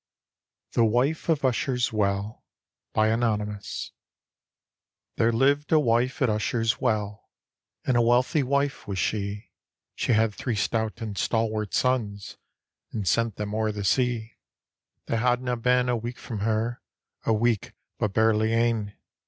THE WIFE OF USHER'S WELL There lived a virife at Usher's Well, And a wealthy wife was she; She had three stout and stalwart sons, And sent them o'er the sea. They hadna heen a week from her, A week but barely ane.